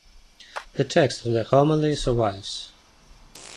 The text of the homily survives.